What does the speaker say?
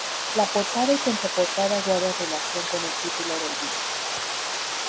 La portada y contraportada guardan relación con el título del disco.